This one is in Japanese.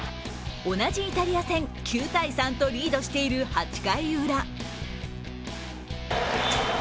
同じイタリア戦、９−３とリードしている８回ウラ。